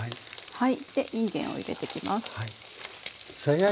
はい。